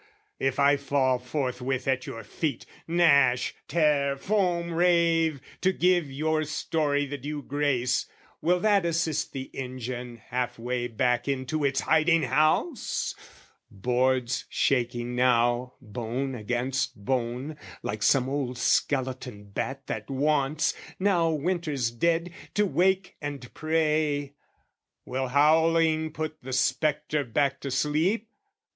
If I fall forthwith at your feet, gnash, tear, Foam, rave, to give your story the due grace, Will that assist the engine half way back Into its hiding house? boards, shaking now, Bone against bone, like some old skeleton bat That wants, now winter's dead, to wake and prey! Will howling put the spectre back to sleep?